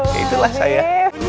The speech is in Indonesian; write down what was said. ya itulah saya